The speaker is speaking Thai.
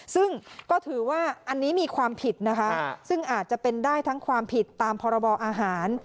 ซึ่งก็ถือว่าอันนี้มีความผิดนะคะซึ่งอาจจะเป็นได้ทั้งความผิดตามพรบอาหาร